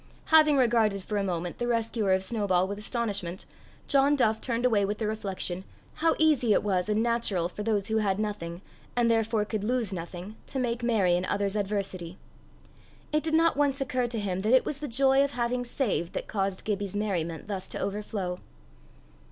Having regarded for a moment the rescuer of Snowball with astonishment, John Duff turned away with the reflection, how easy it was and natural for those who had nothing, and therefore could lose nothing, to make merry in others' adversity. It did not once occur to him that it was the joy of having saved that caused Gibbie's merriment thus to overflow.